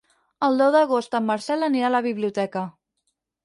El deu d'agost en Marcel anirà a la biblioteca.